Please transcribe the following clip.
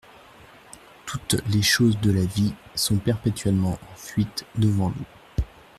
Toutes les choses de la vie sont perpétuellement en fuite devant nous.